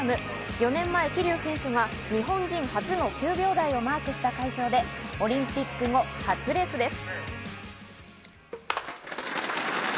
４年前、桐生選手が日本人初の９秒台をマークした会場でオリンピック後初レースです。